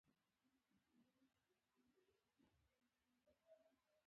افغانستان تر هغو نه ابادیږي، ترڅو د پانګه والو امنیت ټینګ نشي.